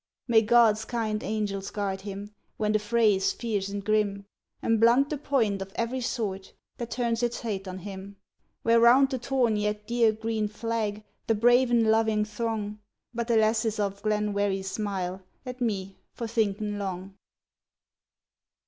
May God's kind angels guard him When the fray is fierce and grim, And blunt the point of every sword That turns its hate on him. Where round the torn yet dear green flag The brave and lovin' throng But the lasses of Glenwherry smile At me for thinkin' long.